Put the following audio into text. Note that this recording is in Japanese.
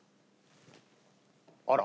あら。